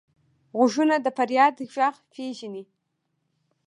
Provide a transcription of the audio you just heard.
غوږونه د فریاد غږ پېژني